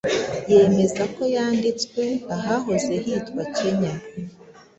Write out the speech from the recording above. bemeza ko yanditswe ahahoze hitwa kenya